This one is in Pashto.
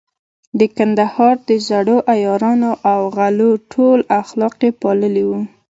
د کندهار د زړو عیارانو او غلو ټول اخلاق يې پاللي وو.